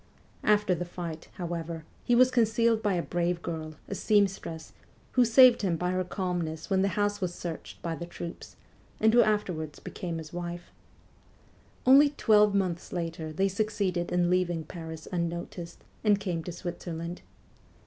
After the fight, however, he was concealed by a brave girl, a seamstress, who saved him by her calmness when the house w r as searched by the troops, and who afterwards became his wife. Only twelve months later they succeeded in leaving Paris unnoticed, and came to Switzerland.